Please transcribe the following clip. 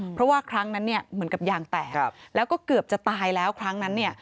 เพราะว่าครั้งนั้นเนี่ยเหมือนกับยางแตกแล้วก็เกือบจะตายแล้วครั้งนั้นเนี่ย